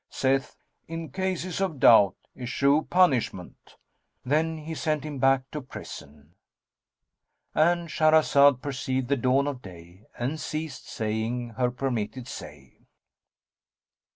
saith, 'In cases of doubt, eschew punishment.'" Then he sent him back to prison,—And Shahrazad perceived the dawn of day and ceased saying her permitted say.